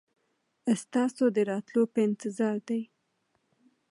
ستاسو د راتلو په انتظار دي.